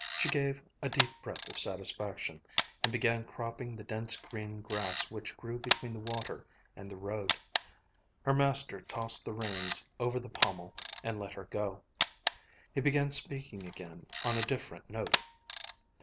She gave a deep breath of satisfaction, and began cropping the dense green grass which grew between the water and the road. Her master tossed the reins over the pommel and let her go. He began speaking again on a different note.